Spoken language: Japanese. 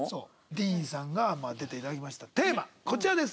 ディーンさんが出て頂きましたテーマこちらです。